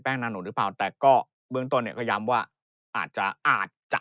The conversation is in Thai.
แป้งนานหนูหรือเปล่าแต่ก็เบื้องตอนเนี่ยก็ย้ำว่าอาจจะ